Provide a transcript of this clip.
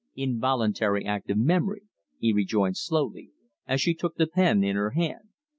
"Involuntary act of memory," he rejoined slowly, as she took the pen in her hand.